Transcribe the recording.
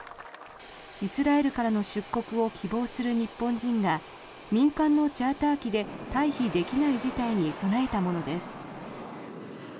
イスラエルからの出国を希望する日本人が民間のチャーター機で退避できない事態に備えたものです。